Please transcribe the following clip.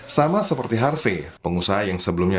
sama seperti harvey pengusaha yang sebelumnya